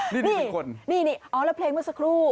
นี่คนนี่อ๋อแล้วเพลงเมื่อสักครู่